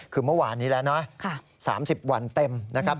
คือเมื่อวานนี้แล้วนะ๓๐วันเต็มนะครับ